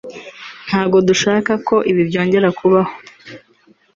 Ntabwo dushaka ko ibi byongera kubaho